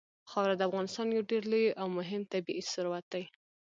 خاوره د افغانستان یو ډېر لوی او مهم طبعي ثروت دی.